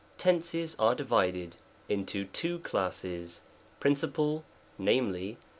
Tenses are divided into two classes: Principal, viz. Pres.